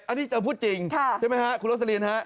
อันนี้เราพูดจริงใช่ไหมครับคุณโรศลีนครับ